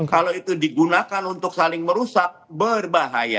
kalau itu digunakan untuk saling merusak berbahaya